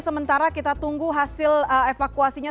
sementara kita tunggu hasil evakuasinya